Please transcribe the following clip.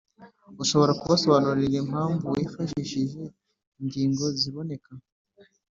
Ushobora Kubasobanurira Impamvu Wifashishije Ingingo Ziboneka